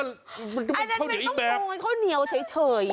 อันนั้นไม่ต้องพูดค่าวเหนียวเฉย